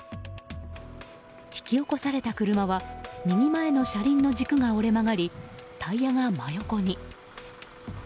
引き起こされた車は右前の車輪の軸が折れ曲がりタイヤが真横に。